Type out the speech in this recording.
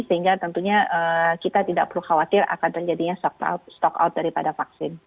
sehingga tentunya kita tidak perlu khawatir akan terjadinya stock out daripada vaksin